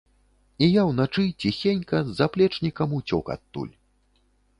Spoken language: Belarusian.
І я ўначы, ціхенька, з заплечнікам уцёк адтуль.